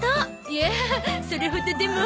いやあそれほどでも。